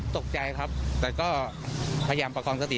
ตกใจครับแต่ก็พยายามประคองสติ